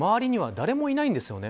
周りには誰もいないんですね。